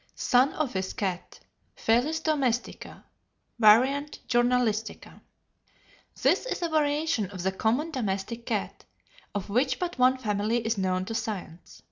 "Sun office cat (Felis Domestica; var. Journalistica). This is a variation of the common domestic cat, of which but one family is known to science.